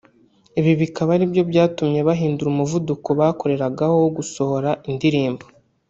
Ibi bikaba ari byo byatumye bahindura umuvuduko bakoreragaho wo gusohora indirimbo